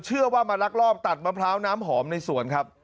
เชื่อว่ามาลักลอบตัดมะพร้าวน้ำหอมในสวนครับ